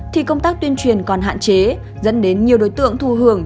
thì công tác tuyên truyền còn hạn chế dẫn đến nhiều đối tượng thu hưởng